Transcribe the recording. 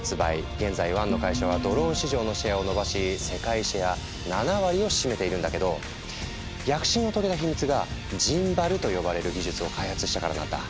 現在ワンの会社はドローン市場のシェアを伸ばし世界シェア７割を占めているんだけど躍進を遂げた秘密がジンバルと呼ばれる技術を開発したからなんだ。